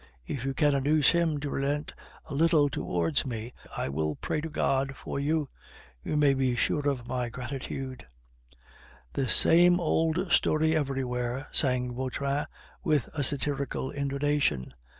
If you can induce him to relent a little towards me, I will pray to God for you. You may be sure of my gratitude " "The same old story everywhere," sang Vautrin, with a satirical intonation.